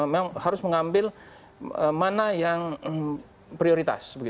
memang harus mengambil mana yang prioritas